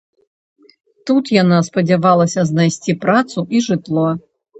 Тут яна спадзявалася знайсці працу і жытло.